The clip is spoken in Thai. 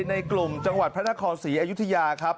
ในกลุ่มจังหวัดพระนครศรีอยุธยาครับ